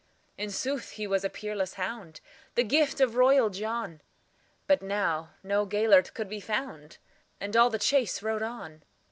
In sooth he was a peerless hound, The gift of royal John; But now no Gêlert could be found, And all the chase rode on.